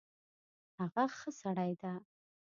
هغه ښه سړی ده